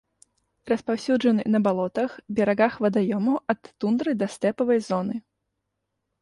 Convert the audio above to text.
Распаўсюджаны на балотах, берагах вадаёмаў ад тундры да стэпавай зоны.